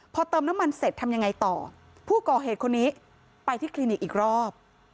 พอเติมน้ำมันเสร็จทำยังไงต่อผู้ก่อเหตุคนนี้ไปที่คลินิกอีกรอบ